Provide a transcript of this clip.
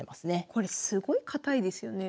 これすごい堅いですよね。